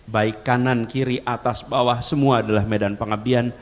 baik kanan kiri atas bawah semua adalah medan pengabdian